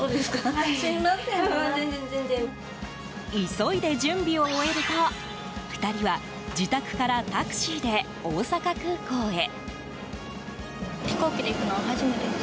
急いで準備を終えると２人は自宅からタクシーで大阪空港へ。